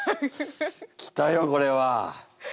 来たよこれは。